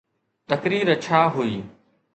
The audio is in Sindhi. تقرير ڇا هئي؟